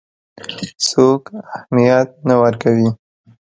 څوک اهمیت نه ورکوي.